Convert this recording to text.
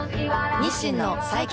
日清の最強